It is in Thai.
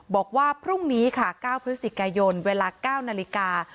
บอกว่าพรุ่งนี้ค่ะ๙พฤศจิกายนเวลา๙นาฬิกา